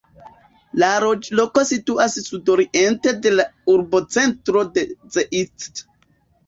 La loĝloko situas sudoriente de la urbocentro de Zeitz.